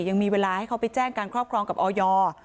ยังมีเวลาให้เขาไปแจ้งการครอบครองกับออย